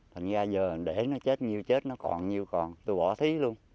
thành ra giờ để nó chết nhiều chết nó còn nhiều còn tôi bỏ thấy luôn